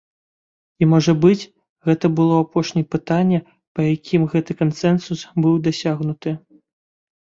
І, можа быць, гэта было апошні пытанне, па якім гэты кансэнсус быў дасягнуты.